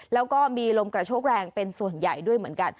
แล้วก็มีลมกระโชกแรงเป็นส่วนใหญ่ด้วยเหมือนกัน